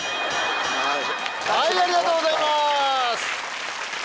ありがとうございます！